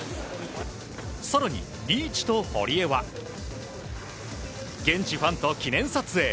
更に、リーチと堀江は現地ファンと記念撮影。